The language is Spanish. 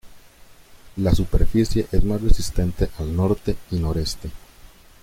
La superficie es más resistente al norte y noreste.